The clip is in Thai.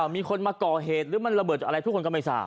มีคนมาก่อเหตุหรือมันระเบิดอะไรทุกคนก็ไม่ทราบ